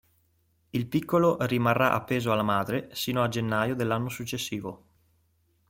Il piccolo rimarrà appeso alla madre sino al gennaio dell'anno successivo.